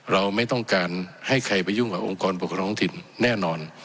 เราไม่ต้องการให้ใครไปยุ่งกับองค์กรปกครองท้องถิ่นแน่นอน